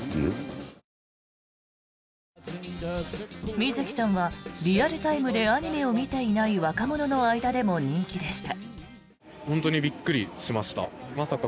水木さんはリアルタイムでアニメを見ていない若者の間でも人気でした。